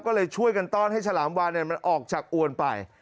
ก็เลยช่วยกันต้อนให้ฉลามวานมันออกจากอวนไป